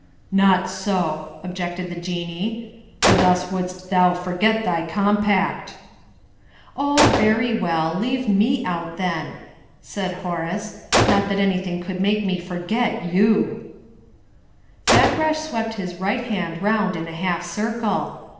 "Not so," objected the Jinnee, "for thus wouldst thou forget thy compact." "Oh, very well, leave me out, then," said Horace. "Not that anything could make me forget you!" Fakrash swept his right hand round in a half circle.